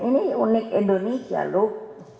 ini unik indonesia loh